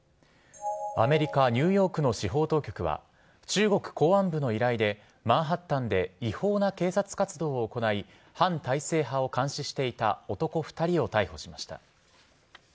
アメリカ・ニューヨークの司法当局は、中国公安部の依頼で、マンハッタンで違法な警察活動を行い、反体制派を監視していた男２人を逮捕しました。